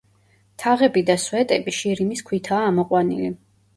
თაღები და სვეტები შირიმის ქვითაა ამოყვანილი.